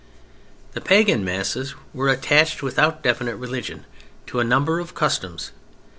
The pagan masses were attached, without definite religion, to a number of customs.